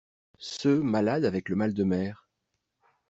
Ceux malades avec le mal de mer.